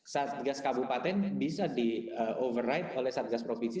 satgas kabupaten bisa di override oleh satgas provinsi